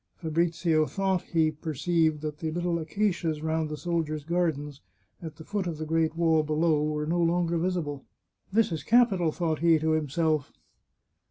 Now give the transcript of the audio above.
Fabrizio thought he perceived that the little acacias round the sol diers' gardens, at the foot of the great wall below, were no longer visible. " This is capital !" thought he to himself.